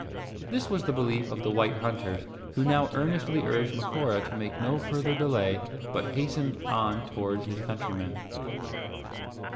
This was the belief of the white hunters, who now earnestly urged Macora to make no further delay, but hasten on towards his countrymen.